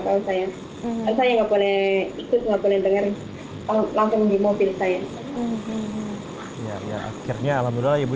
tahu saya saya nggak boleh ikut nggak boleh denger langsung di mobil saya ya akhirnya alhamdulillah ibu